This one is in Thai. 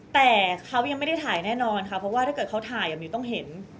แต่เขายังไม่ได้ถ่ายแน่นอนค่ะเพราะว่าถ้าเกิดเขาถ่ายมิวต้องเห็น